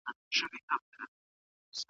ياره دوى تر غاړي وتل